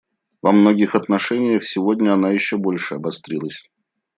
Во многих отношениях сегодня она еще больше обострилась.